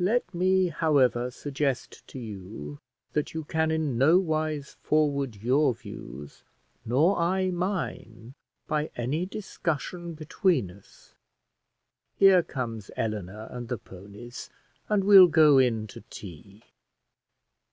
Let me, however, suggest to you, that you can in no wise forward your views nor I mine, by any discussion between us. Here comes Eleanor and the ponies, and we'll go in to tea."